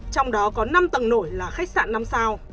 trong đó có năm tầng nổi là khách sạn năm sao